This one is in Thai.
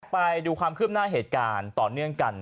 ไปดูความคืบหน้าเหตุการณ์ต่อเนื่องกัน